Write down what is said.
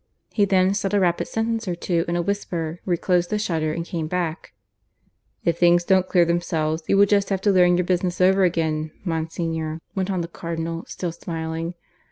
He then said a rapid sentence or two in a whisper, reclosed the shutter, and came back. "If things don't clear themselves, you will just have to learn your business over again, Monsignor," went on the Cardinal, still smiling.